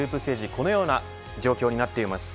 このような状況になっています。